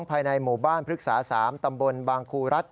ภายในหมู่บ้านพฤกษา๓ตำบลบางครูรัฐ